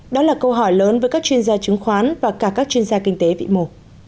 đó là câu hỏi lớn với các chuyên gia chứng khoán và cả các chuyên gia kinh tế vị mồ